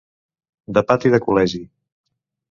De pati de col·legi.